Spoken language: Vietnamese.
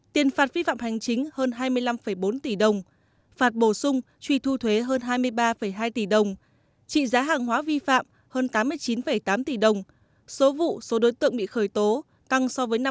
tiền phạt vi phạm hành chính hơn hai mươi năm bốn tỷ đồng phạt bổ sung truy thu thuế hơn hai mươi ba hai tỷ đồng trị giá hàng hóa vi phạm hơn tám mươi chín tám tỷ đồng số vụ số đối tượng bị khởi tố tăng so với năm hai nghìn một mươi